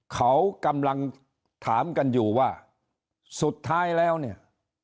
เขากำลังถามกันอยู่ว่าสุดท้ายแล้วเนี่ย